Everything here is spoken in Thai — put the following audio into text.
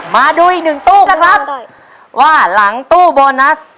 มาดูอีกหนึ่งตู้กันครับว่าหลังตู้โบนัส